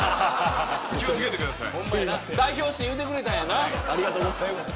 気を付けてください。